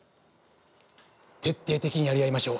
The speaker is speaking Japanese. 徹底的にやり合いましょう。